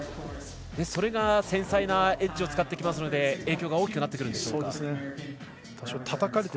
それが繊細なエッジを使ってきますので影響が大きくなってきますか。